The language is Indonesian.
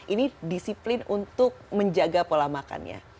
ini disiplin untuk menjaga pola makannya